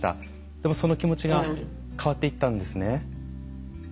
でも、その気持ちが変わっていったんですね。